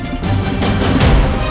jangan jangan jangan jangan